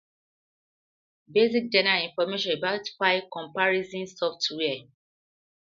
Basic general information about file comparison software.